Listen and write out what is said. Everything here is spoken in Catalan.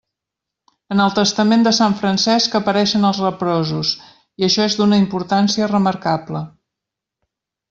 En el Testament de sant Francesc apareixen els leprosos, i això és d'una importància remarcable.